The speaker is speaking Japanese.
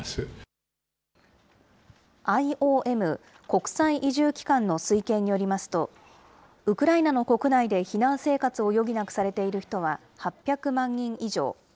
ＩＯＭ・国際移住機関の推計によりますと、ウクライナの国内で避難生活を余儀なくされている人は８００万人以上。